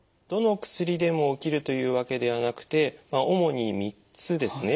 どの薬でも起きるというわけではなくてまあ主に３つですね。